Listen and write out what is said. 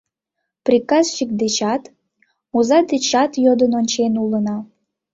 — Приказчик дечат, оза дечат йодын ончен улына.